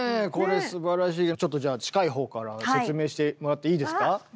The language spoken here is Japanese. これすばらしいちょっとじゃあ近い方から説明してもらっていいですか？